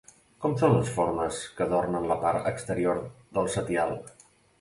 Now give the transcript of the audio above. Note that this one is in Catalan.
Com són les formes que adornen la part exterior del setial?